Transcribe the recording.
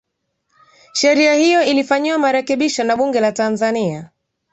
sheria hiyo ilifanyiwa marekebisho na bunge la tanzania